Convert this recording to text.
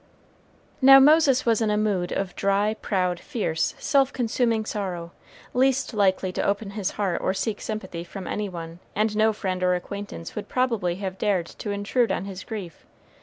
Now Moses was in a mood of dry, proud, fierce, self consuming sorrow, least likely to open his heart or seek sympathy from any one; and no friend or acquaintance would probably have dared to intrude on his grief.